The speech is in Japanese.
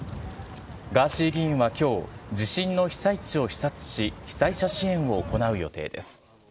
ガーシー議員はきょう、地震の被災地を視察し、被災者支援を行う予定です。